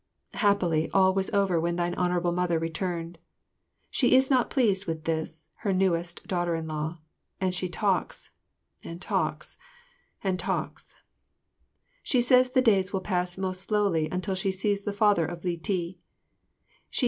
Happily all was over when thine Honourable Mother returned. She is not pleased with this, her newest, daughter in law, and she talks and talks and talks. She says the days will pass most slowly until she sees the father of Li ti.